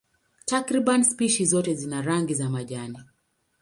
Takriban spishi zote zina rangi ya majani.